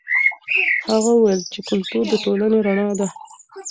هغه وویل چې کلتور د ټولنې رڼا ده.